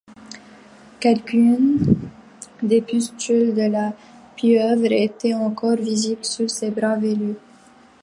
Quelques-unes des pustules de la pieuvre étaient encore visibles sur ses bras velus.